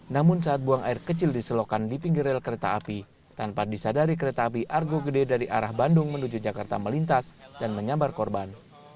namun saat buang air kecil di selokan di pinggir rel kereta api tanpa disadari kereta api argo gede dari arah bandung menuju jakarta melintas dan menyambar korban